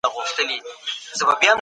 مرګ د امتحان د پای ته رسېدو زنګ دی.